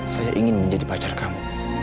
saya ingin menjadi pacar kamu